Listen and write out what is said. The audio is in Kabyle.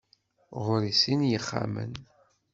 Ɣur-i sin n yixxamen.